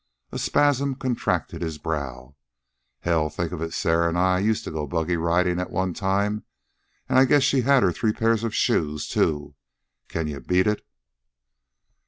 A spasm contracted his brow. "Hell! Think of it! Sarah and I used to go buggy riding once on a time. And I guess she had her three pairs of shoes, too. Can you beat it?"